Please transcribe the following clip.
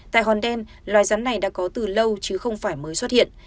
tại hòn đen loài rắn này đã có từ lâu chứ không phải mới xuất hiện